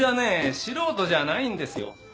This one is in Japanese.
素人じゃないんですよ。